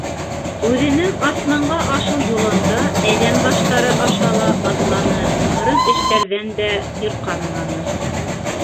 Үҙенең асманға ашыу юлында әҙәм баштары аша ла атланы, ҡырын эштәрҙән дә сирҡанманы.